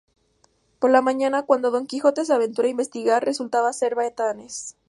Por la mañana, cuando Don Quijote se aventura a investigar, resultaban ser seis batanes.